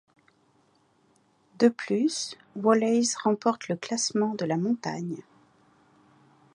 De plus, Wallays remporte le classement de la montagne.